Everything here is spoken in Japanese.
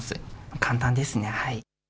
簡単ですね。